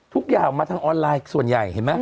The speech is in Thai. ทุกอย่างออกมาทั้งออนไลน์ส่วนใหญ่